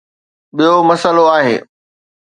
ٻيو مسئلو آهي.